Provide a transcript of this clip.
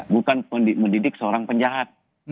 bukan mendidik seorang penjahat